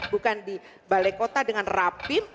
bukan di balai kota dengan rapim